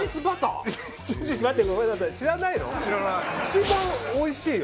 一番おいしいよ？